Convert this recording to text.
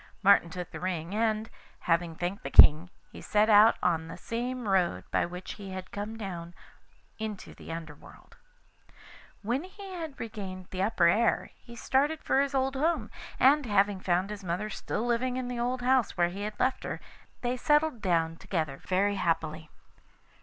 Martin took the ring, and, having thanked the King, he set out on the same road by which he had come down into the Under world. When he had regained the upper air he started for his old home, and having found his mother still living in the old house where he had left her, they settled down together very happily.